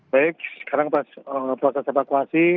baik sekarang pas proses evakuasi